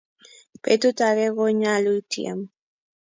Petut age ko nyalu itiem